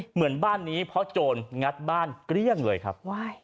เหมือนบ้านนี้เพราะโจรงัดบ้านเกลี้ยงเลยครับ